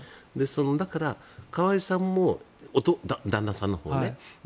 だから、河井さんも旦那さん、夫のほうね。